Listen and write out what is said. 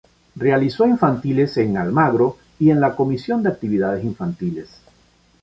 Realizó infantiles en Almagro y en la Comisión de Actividades Infantiles.